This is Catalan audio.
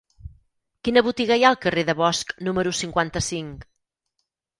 Quina botiga hi ha al carrer de Bosch número cinquanta-cinc?